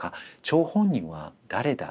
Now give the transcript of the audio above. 張本人は誰だ？